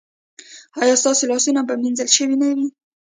ایا ستاسو لاسونه به مینځل شوي نه وي؟